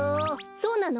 そうなの？